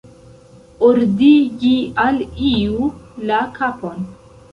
Ordigi al iu la kapon.